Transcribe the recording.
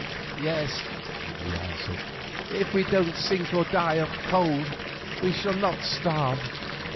"Yes," he answered, "if we don't sink or die of cold we shall not starve.